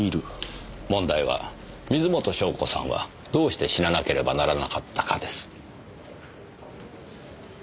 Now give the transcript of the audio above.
問題は水元湘子さんはどうして死ななければならなかったかです。